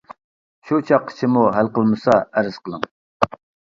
شۇ چاغقىچىمۇ ھەل قىلمىسا، ئەرز قىلىڭ.